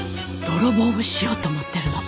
泥棒をしようと思ってるの。